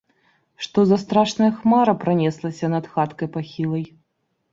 Што за страшная хмара пранеслася над хаткай пахілай?